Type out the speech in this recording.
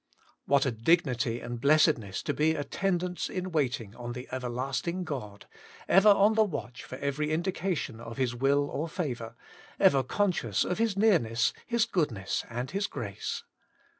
What a dignity and blessedness to be attendants in waiting on the Everlasting God, ever on the watch for every indication of His will or favour, ever conscious of His nearness. His goodness, and His grace